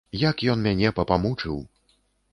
Як ён мяне папамучыў.